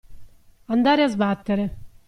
Andare a sbattere.